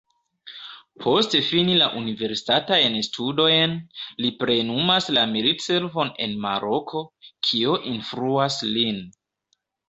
Post fini la universitatajn studojn, li plenumas la militservon en Maroko, kio influas lin.